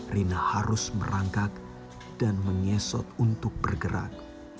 rina harus merangkak dan mengesot untuk bergerak